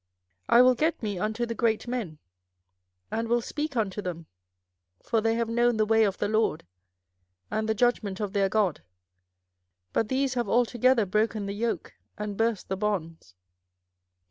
24:005:005 I will get me unto the great men, and will speak unto them; for they have known the way of the LORD, and the judgment of their God: but these have altogether broken the yoke, and burst the bonds.